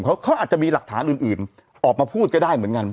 เขาอาจจะมีหลักฐานอื่นออกมาพูดก็ได้เหมือนกัน